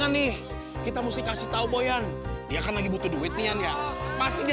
ini kita mesti kasih tau moyen dia kan lagi butuh duitian ya pasti